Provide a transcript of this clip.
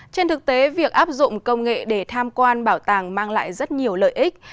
trên thực tế việc áp dụng công nghệ để tham quan bảo tàng mang lại rất nhiều lợi ích